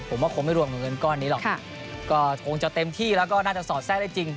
ผมว่าคงไม่รวมเหมือนเงินก้อนนี้หรอกก็คงจะเต็มที่แล้วก็น่าจะสอดแทรกได้จริง